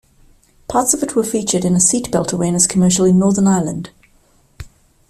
Parts of it were featured in a seatbelt awareness commercial in Northern Ireland.